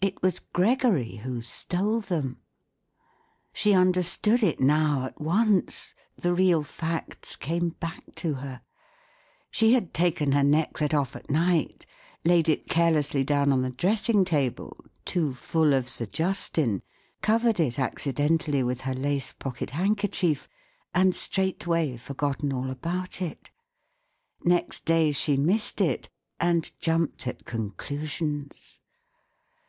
It w*as Gregory who stole them ! She understood it now, at once. The real facts came back to her* She had taken her necklet off at night, laid it carelessly dow f n on the dressing table (too full of Sir Justin), covered it accidentally with her lace pocket handkerchief, and straightway forgotten all about it Next day she missed it, and jumped at conclusions.